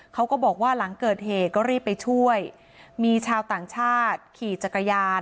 เขาก็บอกว่าหลังเกิดเหตุก็รีบไปช่วยมีชาวต่างชาติขี่จักรยาน